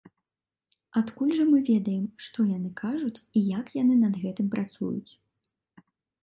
Адкуль жа мы ведаем, што яны кажуць і як яны над гэтым працуюць?